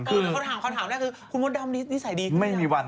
เขาถามแน่คุณโรดดำนิสัยดีขึ้นหรือยัง